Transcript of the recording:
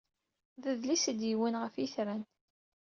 D adlis i d-yewwin ɣef yitran.